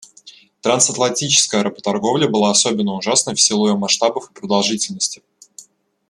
Трансатлантическая работорговля была особенно ужасной в силу ее масштабов и продолжительности.